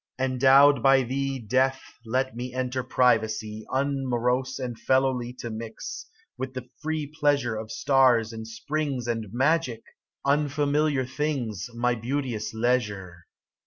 Endowed by thee, Death, let me enter privacy, Unmorose and fellowly To mix, with the free pleasure Of stars and springs And magic, unfamiliar things, My beauteous leisure.